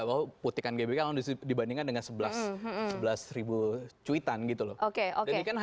bahwa putihkan gbk dibandingkan dengan sebelas cuitan gitu loh